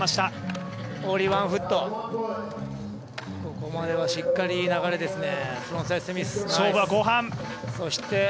ここまではしっかりいい流れですね。